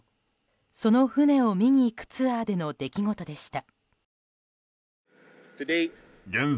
その船を見に行くツアーでの出来事でした。